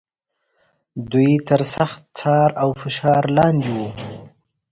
دوی تر سخت څار او فشار لاندې و.